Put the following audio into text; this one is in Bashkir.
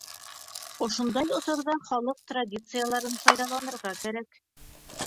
Ошондай осорҙа халыҡ традицияларын файҙаланырға кәрәк.